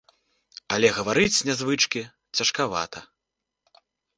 Але гаварыць з нязвычкі цяжкавата.